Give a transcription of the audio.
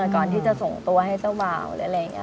ก่อนที่จะส่งตัวให้เจ้าบ่าวหรืออะไรอย่างนี้